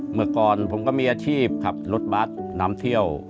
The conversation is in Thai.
เมื่อก่อนผมก็มีอาชีพขับรถบัสนำเที่ยว